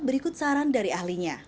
berikut saran dari ahlinya